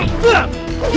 bekasi rata rabbi